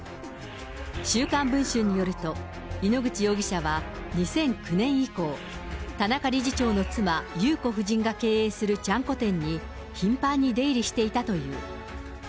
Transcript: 週刊文春によると、井ノ口容疑者は２００９年以降、田中理事長の妻、優子夫人が経営するちゃんこ店に頻繁に出入りしていたという。